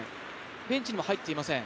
ベンチにも入っていません。